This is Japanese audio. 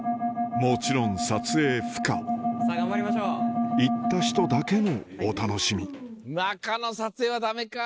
もちろん撮影不可行った人だけのお楽しみ中の撮影はダメか。